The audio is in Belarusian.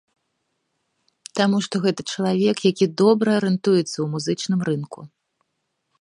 Таму што гэта чалавек, які добра арыентуецца ў музычным рынку.